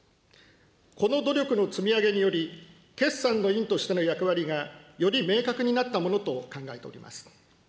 この努力の積み上げにより、決算の院としての役割がより明確になったものと考えております。